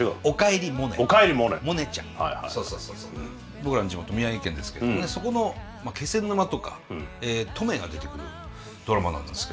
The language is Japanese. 僕らの地元宮城県ですけどそこの気仙沼とか登米が出てくるドラマなんですけども。